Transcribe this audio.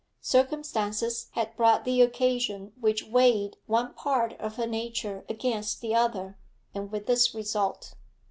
Circumstances had brought the occasion which weighed one part of her nature against the other, and with this result.